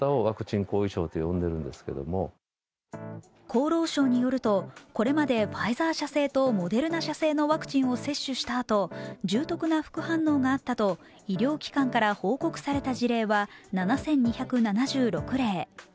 厚労省によると、これまでファイザー社製とモデルナ社製のワクチンを接種したあと重篤な副反応があったと医療機関から報告された事例は７２７６例。